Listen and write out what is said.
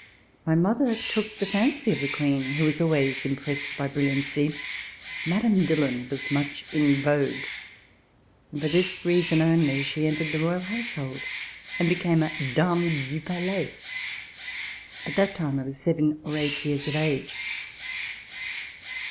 My mother took the fancy of the Queen, who was always impressed by brilliancy. Madame Dillon was much in vogue, and for this reason only she entered the Royal household and became a Dame du Palais. At that time I was seven or eight years of age.